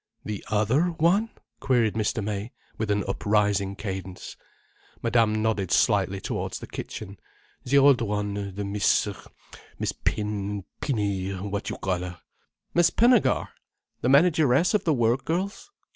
"The other one—?" queried Mr. May, with an uprising cadence. Madame nodded slightly towards the kitchen. "The old one—the Miss—Miss Pin—Pinny—what you call her." "Miss Pinnegar! The manageress of the work girls?